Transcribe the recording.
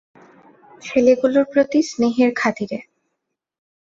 ছেলেগুলোর প্রতি স্নেহের খাতিরে।